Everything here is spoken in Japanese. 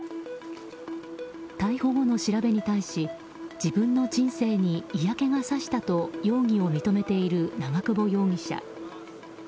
逮捕後の調べに対し自分の人生に嫌気がさしたと容疑を認めている長久保容疑者。